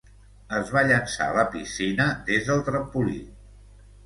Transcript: Es va llançar a la piscina des del trampolí.